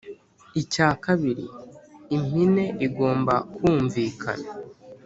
icya kabiri: impine igomba kumvikana